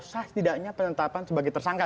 setidaknya penetapan sebagai tersangka